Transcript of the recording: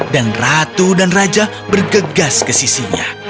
dan ratu dan raja bergegas ke sisinya